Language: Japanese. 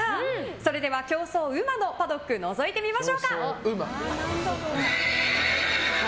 それでは、競争うまのパドックのぞいてみましょうか。